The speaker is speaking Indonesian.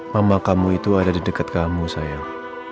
mama kamu itu ada di dekat kamu sayang